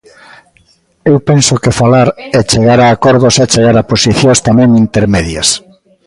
Eu penso que falar e chegar a acordos é chegar a posicións tamén intermedias.